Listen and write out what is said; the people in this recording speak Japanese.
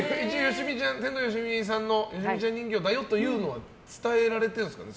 天童よしみさんのよしみちゃん人形だよっていうのは伝えられてるんですかね。